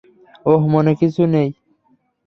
ওহ, মনে হওয়ার কিছু নেই।